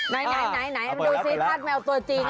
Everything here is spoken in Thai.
ไหนดูสิภาพแมวตัวจริง